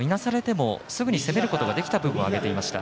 今日、よかったのはいなされてもすぐに攻めることができたということをあげていました。